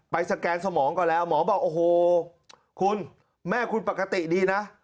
สแกนสมองก่อนแล้วหมอบอกโอ้โหคุณแม่คุณปกติดีนะ